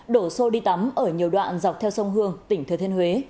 đổ xô đi tắm ở nhiều đoạn dọc theo sông hương tỉnh thừa thiên huế